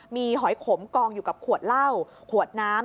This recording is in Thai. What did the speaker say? มีหอยขมกองอยู่กับขวดเหล้าขวดน้ำ